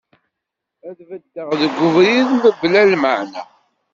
Ad beddeɣ deg ubrid mebla lmaɛna.